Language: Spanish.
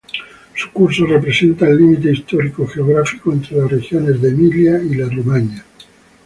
Su curso representa el límite histórico-geográfico entre las regiones de Emilia y la Romaña.